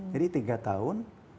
jadi tiga tahun